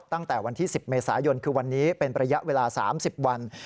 ตั้งแต่วันที่๑๐เมษายนคือวันนี้เป็นระยะเวลา๓๐วัน